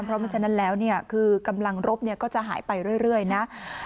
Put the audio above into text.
เพราะฉะนั้นแล้วคือกำลังรบก็จะหายไปเรื่อยนะ